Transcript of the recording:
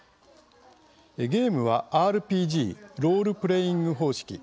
ゲームはＲＰＧ＝ロールプレーイング方式。